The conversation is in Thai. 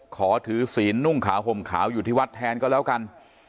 ขอถือศีลนุ่งขาวห่มขาวอยู่ที่วัดแทนก็แล้วกัน